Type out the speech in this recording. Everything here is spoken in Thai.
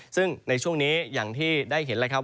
ซึ่งในช่วงนี้อย่างที่ได้เห็นแล้วครับ